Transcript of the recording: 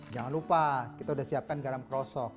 jangan lupa kita sudah siapkan garam krosok